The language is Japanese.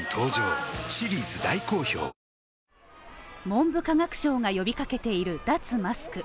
文部科学省が呼びかけている脱マスク。